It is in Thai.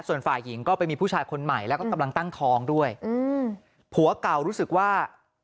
ส่วนฝ่ายหญิงก็ไปมีผู้ชายคนใหม่แล้วก็กำลังตั้งท้องด้วยอืมผัวเก่ารู้สึกว่า